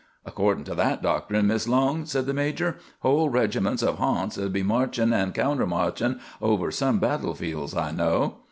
"Accordin' to that doctrine, Mis' Long," said the major, "whole regiments of harnts 'u'd be marchin' an' counter marchin' over some battle fields I know."